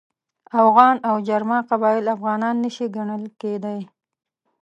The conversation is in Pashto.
اوغان او جرما قبایل افغانان نه شي ګڼل کېدلای.